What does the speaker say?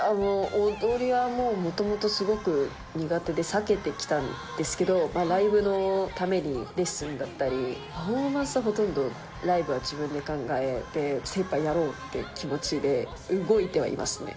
踊りはもうもともとすごく苦手で避けてきたんですけど、ライブのためにレッスンだったり、パフォーマンスはほとんどライブは自分で考えて精いっぱいやろうっていう気持ちで動いてはいますね。